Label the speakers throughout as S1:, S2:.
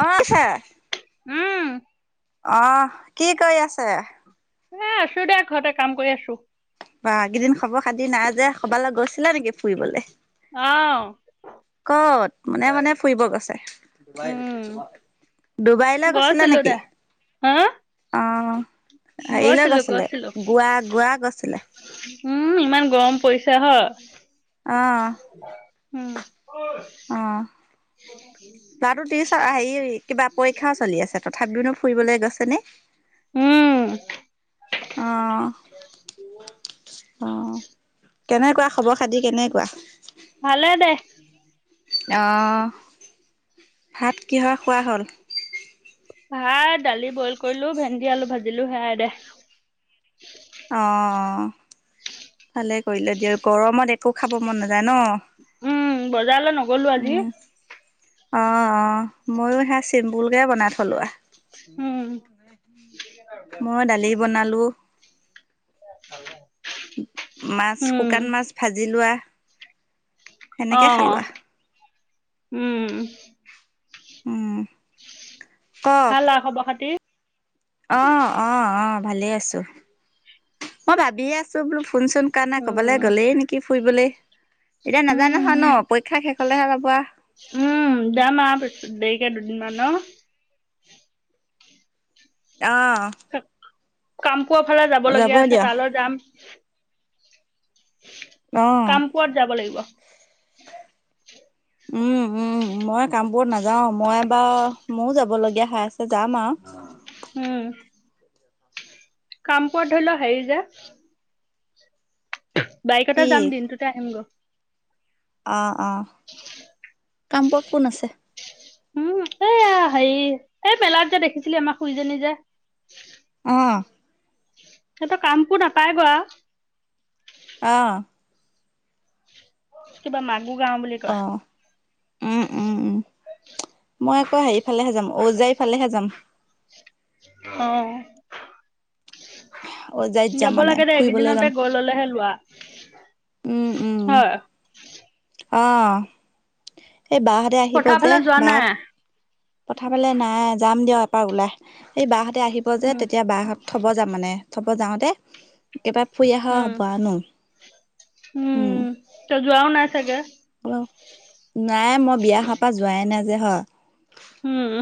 S1: অ আছা
S2: উম
S1: আহ কি কৰিৈ আছে
S2: এ আছো দেিয় ঘৰতে কাম কৰি আছো
S1: বা কেইদিন খবৰ খাদি নাই যে কবালৈ গৈছিলা নেকি ফুৰিবলে
S2: আহ
S1: কত মানে মানে ফুৰিব গৈছে
S2: উম
S1: ডুবাইলৈ গৈছিলা
S2: গৈছিলো দে
S1: নেকি
S2: হা
S1: অ হেৰিলৈ
S2: গৈছিলো
S1: গৈছিলে
S2: গৈছিলো
S1: গোৱা গোৱা গৈছিলে
S2: উম ইমান গৰম পৰিছো হ
S1: আহ
S2: উম
S1: অ লৰাো হেৰি কিবা পৰীক্ষাও চলি আছে ত থাববি নো ফুৰিবলৈ গৈছে নে
S2: উম
S1: আহ আহ কেনেকুৱা খবৰ খাতি কেনেকুৱা
S2: ভালে দে
S1: অঁ ভাত কিহ খোৱা হ'ল
S2: ভাত দালি বইল কৰিলো ভেন্দি আলু ভাজিলো সেয়াই দে
S1: অ ভালে কৰিলে দিয় গৰমত একো খাব মন নাযায় ন
S2: উম বজাৰলৈ নগলো আজি
S1: উম অ অ ময়ো সে চিম্পুলকে বনাই থলো আহ
S2: উম
S1: মই দালি বনালো মাছ
S2: উম
S1: শুকান মাছ ভাজি লোৱা
S2: অ
S1: সেনেকে খালোঁোৱা
S2: উম
S1: উম। কওক
S2: ভাল আৰু খবৰ খাতি।
S1: অ', অ', অ', ভালেই আছো মই ভাবিয়ে আছো বোলো ফোনচোন কৰা নাইণ ক'বলৈ
S2: উম
S1: গ'লেই নেকি ফুৰিবলৈ। এতিয়া নাজায় নহয়
S2: উম
S1: ন', পৰীক্ষা শেষ হ'লেহে যাব।
S2: উম যাম আৰু পিছত দেৰিকে দুদিনমানান অ'।
S1: আহ।
S2: কামপুৰৰ ফালে যাব লগীয়া আছে তালৈ যাম।
S1: অ'।
S2: কামপুৰত যাব লাগিব।
S1: উম, উম মই কামপুৰত নাযাওঁ মই বাৰু ময়ো যাব লগীয়া হৈ যাম আৰু।
S2: কামপুৰত ধৰিলও হেৰি যে। বাইকতে
S1: কি
S2: যাম দিনটোতে আহিম গ
S1: অ', অ', কামপুৰত কোন আছে?
S2: উম এইয়া হেৰি এই মেলাত যে দেখিছিলি আমাক খুড়ীজনী যে।
S1: অ'।
S2: সিহঁতৰ কামবোৰ নাপায় গ
S1: আহ।
S2: কিবা মাগুৰ গাওঁ বুলি কয়।
S1: অ'। উম, উম, উম মই আকৌ হেৰি ফালেহে যাম ঔজাৰ ফালেহে যাম।
S2: অ'।
S1: ঔজাইত যাম
S2: যাব
S1: মানে
S2: লাগে দে
S1: ফুৰিবলৈ
S2: এইকেইদিনতে
S1: যাম।
S2: গৈ ললেহে লোৱা। হয়।
S1: আহ এই বাহঁতে আহিব
S2: পথাৰ
S1: যে
S2: ফালে যোৱা
S1: বা।
S2: নাই
S1: পথা পালে নাই যাম দিয়ক এপাৰ ওলাহ এই বাহঁহতে আহিব যে
S2: উম
S1: তেতিয়া বাহঁত থব যাম মানে। থব যাওঁতে কিবা
S2: উম, উম ত যোৱাও নাই চাগে।
S1: অ', নাই মই বিয়া হোৱা পৰা যোৱাই নাই যে হয়।
S2: উম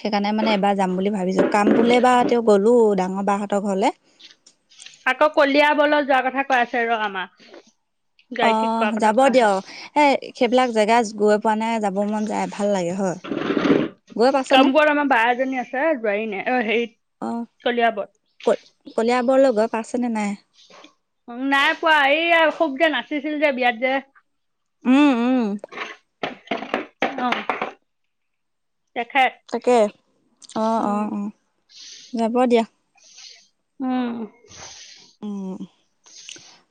S1: সেইকাৰণে মানে এবাৰ যাম বুলি ভাবিছো। কাম বুলে বা তেওঁ গ'লো ডাঙৰ বাহঁতৰ ঘৰলে।
S2: আকৌ কলিয়াবলত যোৱাৰ কথা কৈ আছে ৰ' আমাৰ। গাড়ী ঠিক কৰা
S1: অ',
S2: কথা
S1: যাব
S2: কোৱা আছে
S1: দিয়ক এ সেইবিলাক জেগাত গৈ পোৱা নাই যাব মন যায় ভাল লাগে হয়, হয়। গৈ পাইছানে?
S2: কামপুৰত আমাৰ বা এজনী আছে যোৱোৱাৰী নাই অ'
S1: অ
S2: হেৰিত চলিয়াবৰ।
S1: ক কলিয়াবৰলৈ গৈ পাইছনে নাই।
S2: দিছিল যে বিয়াত যে।
S1: উম, উম।
S2: অ'। তেখেত
S1: তাকে অ',
S2: উম
S1: অ', অ', যাব দিয়া।
S2: উম।
S1: উম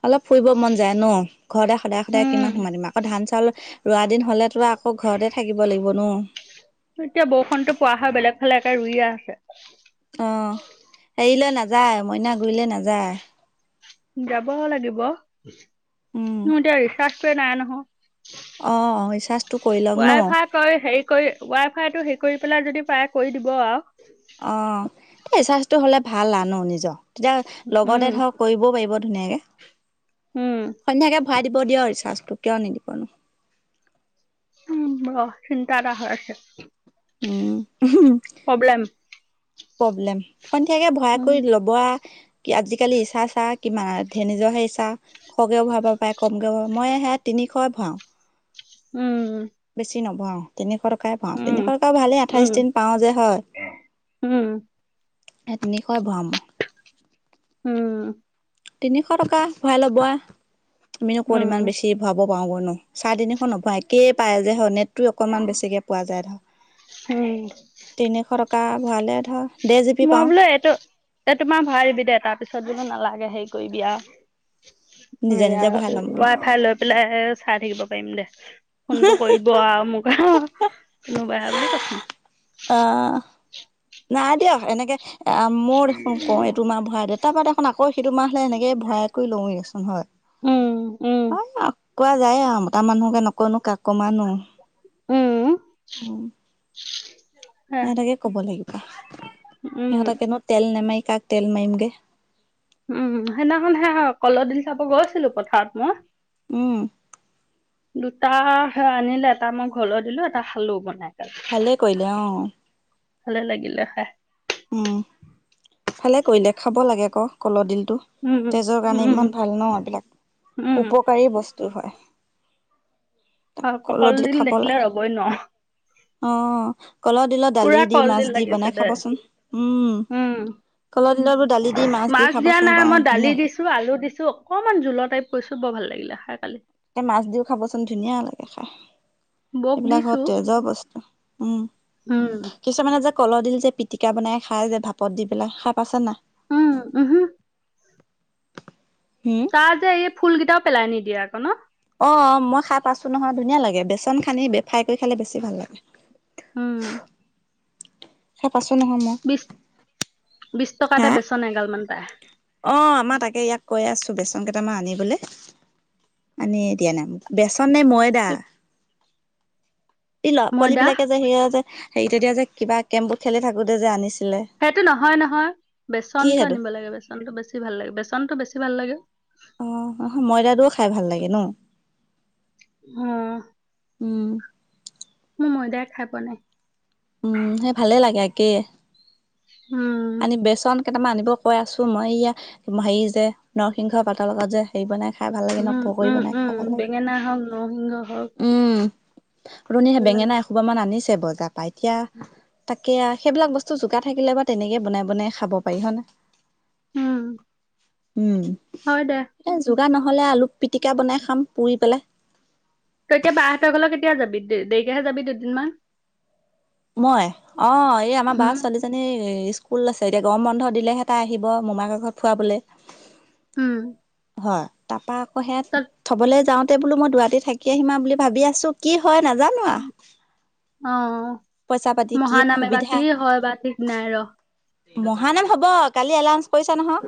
S1: অলপ ফুৰিব মন যায় ন'। ঘৰতে সদায় সদায়
S2: উম
S1: কিমান সোমাই দিম আকৌ ধান চউল ৰোৱা দিন হলে তো আকৌ ঘৰতে থাকিব লাগিব ন'।
S2: এতিয়া বৰষুণতো পোৱা হয় বেলেগ ফালে একে ৰুইয়ে আছে।
S1: আহ এৰিলে নাযায় মইনা গুৰিলে নাযায়।
S2: যাব লাগিব ম
S1: উম
S2: এতিয়া ৰিচাৰ্জটোৱে নাই নহয়।
S1: অ', অ' ৰিচাৰ্জটো কৰি লওক ন
S2: ৱাই ফাই কৰি হে কৰি ৱাই ফাইটো হে কৰি পেলাই যদি প্ৰায় কৰি দিব আৰু।
S1: এ। ৰিৰ্চাজটো হ'লে ভাল আনো নিজৰ তেতিয়া
S2: উম
S1: লগতে ধৰ কৰিবও পাৰিব ধুনীয়াকে।
S2: উম
S1: সন্ধিয়াকে ভৰাই দিব দিয় ৰিচাৰ্জটো কিয় নিদিবনো।
S2: ওম চিন্তা এটা হৈ আছে।
S1: উম
S2: প্ৰব্লেম
S1: প্ৰব্লেম সন্ধিয়াকে ভয়া
S2: উম
S1: কৰি ল'ব আ কি আজিকালি ৰিছা চা কিমান ধে নিজৰ সেই ইচ্ছা খগেও ভৰাব পায় কমকেও ভ মই সেত তিন নিশয় ভাৱাও।
S2: উম উ
S1: বেছি নভৱাও তিনিশ টক কাই বনাও তিনিশ টকা ভালেই আঠাইশ
S2: উম
S1: দিন পাওঁ যে হয়।
S2: উম
S1: এ তিনিশয় ভৱাম মই।
S2: উম।
S1: তিনিশ টকা ভৰাই ল'ব আমিনো ক'ত
S2: উম
S1: ইমান বেছি ভৰাব পাৰোগনো। চাৰি তিনিশ নোপোৱা একেই পায় যে হণট। অকণমান বেছিকৈ পোৱা যায় ধৰ
S2: উম
S1: তিনিশ টকা ভৰালে ধৰ। ডেৰ জি বি
S2: মই
S1: পাওঁ
S2: বোলো এইটো এইটোোমাৰ ভাৰিবি দে তাৰ পিছত বোলো নালাগে হেৰি কৰিবি আৰু।
S1: নিজে
S2: য়া
S1: নিজে ভৰাই ল'ম বোলো
S2: ৱাই ফাই লৈ পেলাই চাই থাকিব পাৰিম দে। ফোনটো কৰিব আৰু মোক আৰু, কোনোবাই বুলি কৈছে।
S1: অ' নাই দিয়ক এনেকে এ মই দেখোন কওঁ এইটো মাহ ভৰাই দে তাৰ পৰা দেখোন আকৌ সেইটো মাহ হ'লে সেনেকে ভৰাই কৰি লওঁৱেই চোন হয়।
S2: উম। উম
S1: [unintelligible] কোৱা যায় আৰু মতা মানুহকে নকয়নো কাক ক'ম আৰ নো।
S2: উম [inaudible]
S1: এহঁতকে ক'ব লাগি
S2: উম
S1: সিহঁতক কেনো তেল নেমাৰি কাক তেল মাৰিমগে।
S2: উম, সেইদিনাখন হে কলডিল চাব গৈছিলো পথাৰত মই।
S1: হম।
S2: দুটা আনিলে এটা মই ঘৰলৈ দিলো এটা খালো বনাই। পেলাই
S1: ভালে কৰিলে অ'।
S2: ভালে লাগিলে খায়।
S1: উম, ভালে কৰিলে খাব লাগে আকৌ কলডিল
S2: উম
S1: [unintelligible] তেজৰ কাৰণে
S2: উম
S1: ইমান ভাল ন এইবিলাক,
S2: উম
S1: উপকাৰী বস্তু হয়।
S2: অ' কলডিল
S1: খাব
S2: দেখিলে
S1: লাগে
S2: ৰ'বই নোৱাৰো।
S1: অ কলডিলৰ দালি
S2: পুৰা
S1: দি মাছ
S2: কলডিল
S1: দি বনাই
S2: লাগিছে দে
S1: খাবচোন
S2: উম।
S1: কলৰ দিলত বোৰ দালি দি দি
S2: মাছ দিয়া
S1: খাবচোন
S2: নাই
S1: বনাই
S2: মই
S1: ধুনীয়া
S2: দালি
S1: লাগে
S2: দিছো, আলু দিছো অকমান জুলোৱা টাইপ কৈছো বৰ ভাল লাগিলে খাই কালি।
S1: এ মাছ দিওঁ খাবচোন ধুনীয়া লাগে খাই।
S2: বৌক
S1: এইবিলাক হ,
S2: দিছো
S1: তেজৰ বস্তু উম,
S2: উম
S1: কিছুমানে যে কলৰডিল যে পিটিকা বনাই খাই যে ভাপত দি পেলাই খাই পাইছে নাই?
S2: উম, উহু।
S1: হুম
S2: তাৰ যে এই ফুল কেইটাও পেলাই নিদিয়ে আকৌ ন?
S1: অ, মই খাই পাইছো নহয় ধুনীয়া লাগে বেচন খানি ফ্ৰাই কৰি খালে বেছি ভাল লাগে।
S2: উম,
S1: [unintelligible] নহয় মই।
S2: বিশ টকাতে
S1: হা?
S2: বেচন এগাল মান পায়
S1: অ, আমাৰ তাকে ইয়াক কৈ আছো বেছি অ, কেইটামান আনিবলে আনিয়েই দিয়া নাই বেচন নে ময়দা? এই ল'ৰা -পোৱালি
S2: ময়দা
S1: বিলাকে যে সেয়া যে হেৰি তেতিয়া যে কিবা কেমবোৰ খেলি থাকোতে যে আনিছে
S2: সেইটো নহয়- নহয়
S1: কি
S2: বেচনটো
S1: সেইটো
S2: আনিব লাগে বেচনটো বেছি ভাল লাগে - বেচনটো বেছি ভাল লাগে।
S1: অ, অহ ময়দাটোও খাই ভাল লাগে ন?
S2: হ
S1: উম,
S2: ময়দাই খাই পোৱা নাই।
S1: উম, সেই ভালে লাগে একে,
S2: উম
S1: আনি বেচন কেইটামান আনিব কৈ আছো মই ইয়া হেৰি যে নৰসিংহ পাতৰ লগত যে হেৰি বনাই খা খাই ভাল লাগে ন
S2: উম
S1: পকৰী
S2: উম
S1: বনাই
S2: উম
S1: খাই ভাল লাগে,
S2: বেঙেনা হওক নৰসিংহ হওক
S1: উম। ৰণে
S2: ভাল লাগে
S1: বেঙেনা এসোপামান মান আনিছে বজাৰ পাই এতিয়া। তাকে আৰ সেইবিলাক বস্তু জোকাৰ থাকিলে বা তেনেকে বনাই বনাই খাব পাৰি হয় ন।
S2: উম। হয় দে।
S1: বগা নহ'লে আলু পিটিকা বনাই খাম পুৰি পেলাই।
S2: তই এতিয়া বা হঁতৰ ঘৰলে কেতিয়া যাবি দে দেৰিকেহে যাবি দুদিনমান।
S1: মই অ' এই আমাৰ বা
S2: উম,
S1: ছোৱালীজনী [unintelligible] আছে এতিয়া গৰম বন্ধ দিলেহে তাই আহিব মোমায়েকৰ ঘৰত ফুৰাবলে।
S2: উম।
S1: হয় তাৰপাৰা আকৌ সেয়া
S2: তাত
S1: থ'বলৈ যাওঁতে বোলো মই দুৰাতি থাকি আহিম বুলি ভাবি আছো কি হয় নাজানো আৰু।
S2: অ', মহানামে বা
S1: সুবিধা
S2: কি হয় বা ঠিক নাই ৰ
S1: মহানাম হ'ব কালি এলাউঞ্চ কৰিছা নহয়,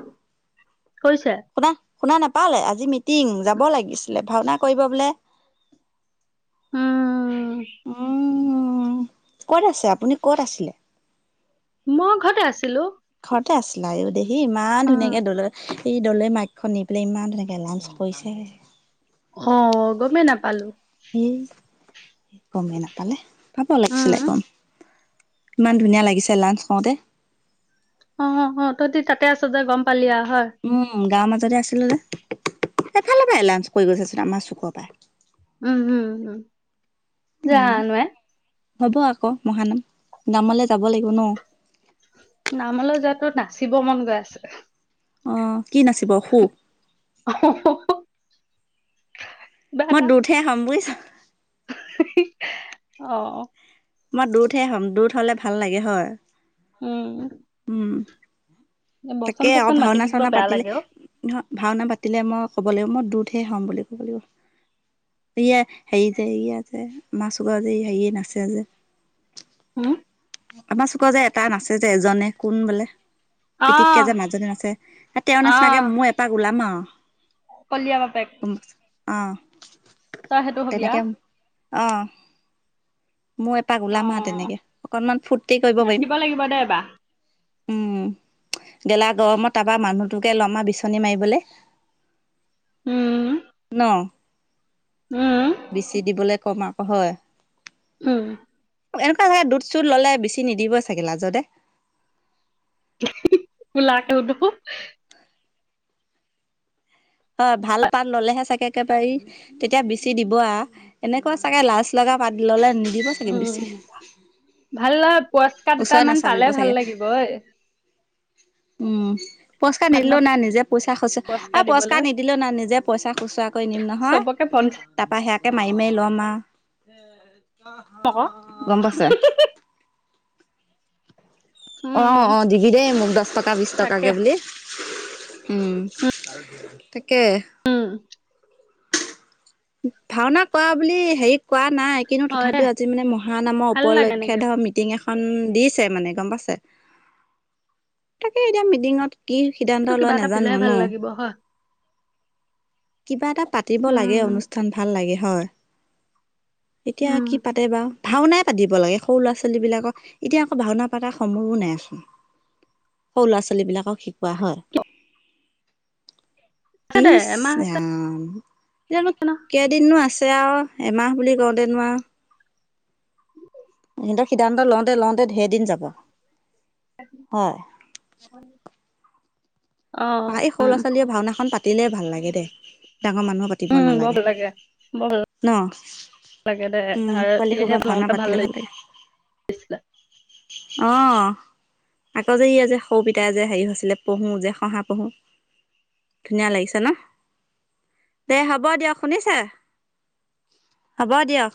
S2: কৰিছে?
S1: শুনা শুনা নাপালে আজি মিটিং যাব লাগিছিলে ভাওনা কৰিব বোলে।
S2: উম,
S1: উম। উম, ক'ত আছে আপুনি, ক'ত আছিলে?
S2: মই ঘৰতে আছিলো।
S1: তে আছিলা দেহি ইমান
S2: উম,
S1: ধুনীয়াকে দল এই দলে মাইখন নি পেলাই ইমান তেনেকে লাঞ্চ পৰিছে
S2: অ', গমেই নাপালো।
S1: এ কম ন' পালে পাব
S2: উম,
S1: লাগিছিলে গম। ইমান ধুনীয়া লাগিছে লাঞ্চ কওঁতে।
S2: অ', অ', তহঁতি তাতে আছ যে গম পালি আৰু
S1: উম, গাঁৱৰ মাজতে আছিল দে এফালে পৰা লাঞ্চ কৰি গৈছাচোন আমাৰ চুক পৰা
S2: উম, হম, হম
S1: উম
S2: জানোহে।
S1: হ'ব আকৌ মহানাম নামলে যাব লাগিব ন'।
S2: নামলৈ যোৱাাতটো নাচিব মন গৈ আছে।
S1: অ', কি নাচিব সু
S2: কিবা
S1: মই
S2: এটা
S1: দূৰতহে হম বুজিছা।
S2: অ'।
S1: মই দূৰতহে হ'ম দূৰত হ'লে ভাল লাগে হয়।
S2: উম।
S1: উম।
S2: বচন
S1: তাকে অ',
S2: চচন মাতি
S1: ভাওনা
S2: থাকিব
S1: চাওনা
S2: বেয়া
S1: পাতিলে
S2: লাগে অ,
S1: ভাওনা পাতিলে মই ক'ব লাগিব মই দুধহে হম বুলি ক'ব লাগিব। ইয়ে হেৰি যে ই যে মা চগা যে হেৰিয়ে নাচে যে
S2: হম।
S1: আমাৰ চুকত যে এটা নাচছে যে এজনে কোন বোলে।
S2: আহ,
S1: পিতিককে যে মাজনী আছে আৰু তেওঁৰ নিচিনাকে মই এপাক ওলাম আৰু।
S2: কলিয়ামা পেক।
S1: অ'।
S2: ত' সেইটো হবিয়া।
S1: তেনেকে অ', মই এপাক
S2: অ,
S1: ওলাম আৰু তেনেকে অকনমান ফুৰ্তি কৰিব পাৰিম
S2: নাচিব লাগিব দে এবাৰ।
S1: উম, গেলা গৰমত তাৰপা মানুহটোকে লমা বিচনী মাৰিবলৈ
S2: উম। উম,
S1: বেছি দিবলৈ কম আকৌ হয়।
S2: উম।
S1: এনেকুৱা হ'লে দুধ চোধ ললে বেছি নিদিবই চাগিল লাজতে।
S2: কুলাটো দোহো।
S1: হয় ভাল পাত ললেহে চাগে একেবাৰে তেতিয়া বিচি দিব এনেকুৱা চাগে লাজ লগা পাত ললে নিদিব চাগে
S2: উম
S1: বেছি
S2: উম ভাল ল পুৱাস্কাৰ
S1: ওচৰ
S2: দুটামান
S1: নাচাপিব
S2: পালে
S1: চাগে
S2: ভাল লাগিবঐ।
S1: উম। পুৰস্কাৰ নিদিলেও
S2: মানুহক
S1: না নিজে পইচা খুচ পুৰস্কাৰ নিদিলেও নাই নিজে পইচা খুচুৰা কৰি নিম নহয়।
S2: চবকে পঞ্চাশ
S1: তাৰাপা সেয়াকে মাৰি মাৰি লম
S2: টকা
S1: আহ। গম পাইছে। অ
S2: উম,
S1: অ দিবি দেই মোক দহ টকা বিশ
S2: তাকে
S1: টকাকে বুলি। উম তাকে।
S2: উম,
S1: ভাওনা কৰা বুলি হেৰি কোৱাত নাই কিন্তু
S2: হয় দে
S1: তথাপিও আজি মানে মহা নামৰ
S2: ভাল লাগে
S1: উপলক্ষে
S2: এনেকে
S1: ধৰক মিটিং এখন দিছে মানে গম পাইছে তাকে এতিয়া মিটিঙত কি
S2: এইটো
S1: সিদ্ধান্ত
S2: কিবা
S1: লয়
S2: এটা পাতিলেহে
S1: নাজানো
S2: ভাল
S1: ন।
S2: লাগিব হয়
S1: কিবা এটা পাতিব লাগে
S2: উম,
S1: অনুষ্ঠান ভাল লাগে হয়। এতিয়া
S2: উম,
S1: কি পাতে বাাৰ ভাওনাই পাতিব লাগে সৰু ল'ৰা ছোৱালী বিলাকক এতিয়া ভাওনা পতা সমূহো নাই আচোন সৰু ল'ৰা ছোৱালীবিলাকক শিকোৱা হয়।
S2: [unintelligible] দে
S1: ইচ
S2: এমাহ আছে
S1: ৰাম এতিয়া কেইদিনো আছে আৰু এমাহ বুলি ওচৰতে নো আও। সিদ্ধান্ত লওঁ লওঁতে ধেৰ দিন যাব হয়।
S2: অ',
S1: এই সৰু ল'ৰা ছোৱালীয়ে ভাওনাখন পাতিলে ভাল লাগে দেই ডাঙৰ মানুহো পাতিব
S2: উম, বৰ
S1: নালাগে।
S2: ভাল লাগে বৰ ভাল
S1: ন,
S2: লাগে দে
S1: উম
S2: আৰু
S1: পোৱালি
S2: তেতিয়াহে
S1: খবা ভাওনা
S2: লওঁতে
S1: পাতিলে ভাল লাগে।
S2: লাগিছে।
S1: অ। আকৌ যে ই আ যে সৰু পিতাই যে হেৰি হৈছিলে পহু যে শহা পহু ধুনীয়া লাগিছে ন। দে হ'ব দিয়ক শুনিছে। হ'বা দিয়ক।